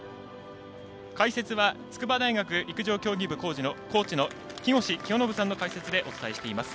解説は筑波大学陸上競技部コーチの木越清信さんの解説でお伝えしています。